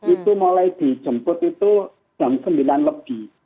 itu mulai dijemput itu jam sembilan lebih